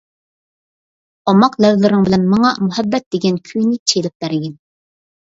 ئوماق لەۋلىرىڭ بىلەن ماڭا «مۇھەببەت» دېگەن كۈينى چېلىپ بەرگىن.